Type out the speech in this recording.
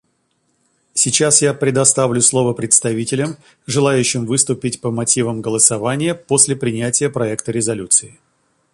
Сейчас я предоставлю слово представителям, желающим выступить по мотивам голосования после принятия проекта резолюции.